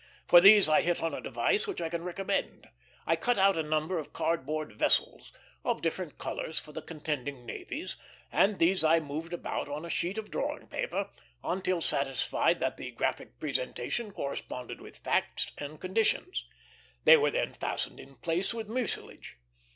For these I hit on a device which I can recommend. I cut out a number of cardboard vessels, of different colors for the contending navies, and these I moved about on a sheet of drawing paper until satisfied that the graphic presentation corresponded with facts and conditions. They were then fastened in place with mucilage.